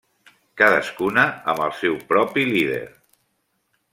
Cadascuna amb el seu propi líder.